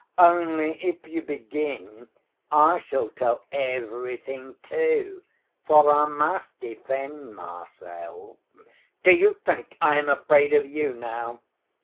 Only if you begin, I shall tell everything, too, for I must defend myself." "Do you think I am afraid of you now?"